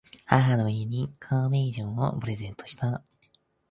母の日にカーネーションをプレゼントした。